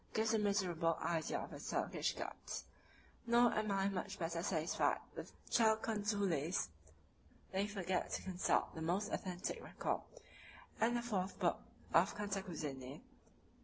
gives a miserable idea of his Turkish guides; nor am I much better satisfied with Chalcondyles, (l. i. p. 12, &c.) They forget to consult the most authentic record, the ivth book of Cantacuzene.